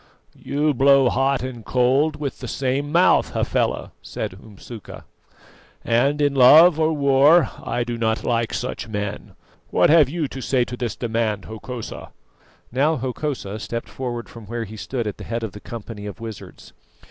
"You blow hot and cold with the same mouth, Hafela," said Umsuka, "and in love or war I do not like such men. What have you to say to this demand, Hokosa?" Now Hokosa stepped forward from where he stood at the head of the company of wizards.